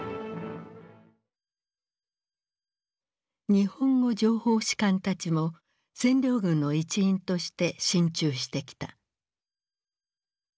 日本語情報士官たちも占領軍の一員として進駐してきた。